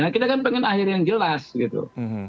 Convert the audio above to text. kita kan pengen akhir yang jelas gitu